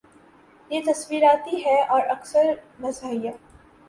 یہ تصوراتی ہے اور اکثر مزاحیہ